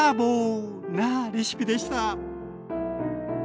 なレシピでした。